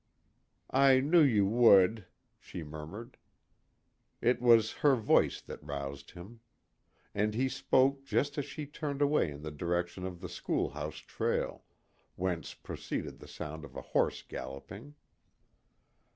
"I knew you would," she murmured. It was her voice that roused him. And he spoke just as she turned away in the direction of the schoolhouse trail, whence proceeded the sound of a horse galloping.